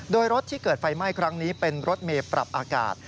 โดยรถที่เกิดไฟไหม้ครั้งนี้เป็นรถเมย์ปรับอากาศ